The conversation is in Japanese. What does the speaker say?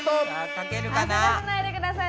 焦らせないでください